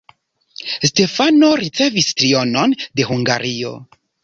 Stefano ricevis trionon de Hungario.